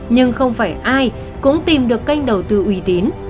nhưng không phải ai cũng tìm được kênh đầu tư uy tín